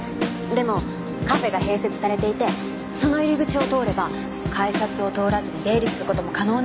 でもカフェが併設されていてその入り口を通れば改札を通らずに出入りする事も可能なんです。